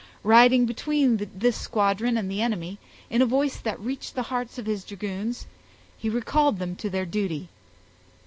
Riding between this squadron and the enemy, in a voice that reached the hearts of his dragoons, he recalled them to their duty.